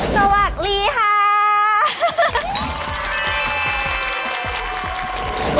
สวัสดีค่ะ